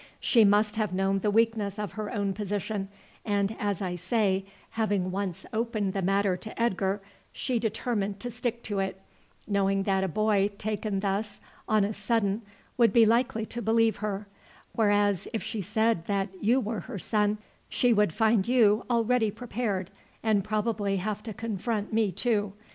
She must have known the weakness of her own position, and as I say, having once opened the matter to Edgar, she determined to stick to it, knowing that a boy taken thus on a sudden would be likely to believe her, whereas if she said that you were her son she would find you already prepared and probably have to confront me too.